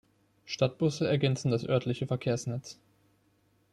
Stadtbusse ergänzen das örtliche Verkehrsnetz.